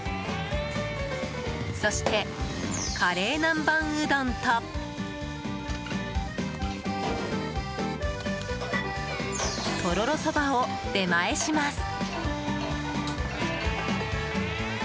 そして、カレー南ばんうどんととろろそばを出前します。